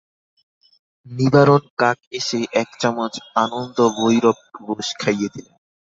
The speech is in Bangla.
নিবারণ কাক এসে এক চামচ আনন্দভৈরব রুস খাইয়ে দিলেন।